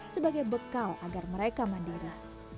sebagai bekal agar mereka mandiri